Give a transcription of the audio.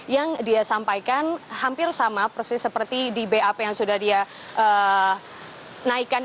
yang dia sampaikan hampir sama persis seperti di bap yang sudah dia naikkan